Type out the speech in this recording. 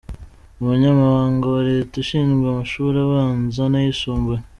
Umunyamabanga wa Leta ushinzwe amashuri abanza n’ayisumbuye.